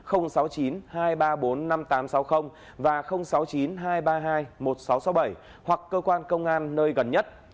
hoặc sáu mươi chín hai trăm ba mươi hai một nghìn sáu trăm sáu mươi bảy hoặc cơ quan công an nơi gần nhất